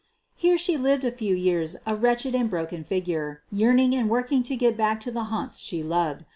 Here she lived a few years a wretched and broke* figure, yearning and working to get back to the haunts she loved.